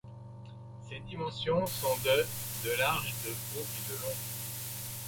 Ses dimensions sont de de large, de haut et de long.